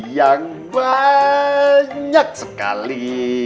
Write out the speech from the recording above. yang banyak sekali